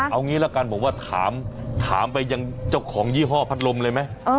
เอางี้ละกันบอกว่าถามไปยังเจ้าของยี่ห้อพัดลมเลยไหม